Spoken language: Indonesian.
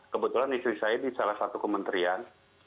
kebetulan istri saya di salah satu kementerian